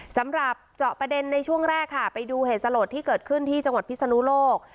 เจาะประเด็นในช่วงแรกค่ะไปดูเหตุสลดที่เกิดขึ้นที่จังหวัดพิศนุโลก